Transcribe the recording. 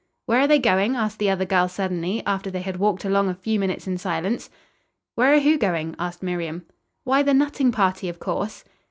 "Where are they going?" asked the other girl suddenly, after they had walked along a few minutes in silence. "Where are who going?" asked Miriam. "Why, the nutting party, of course."